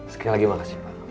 sekali lagi makasih pak